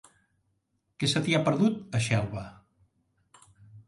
Què se t'hi ha perdut, a Xelva?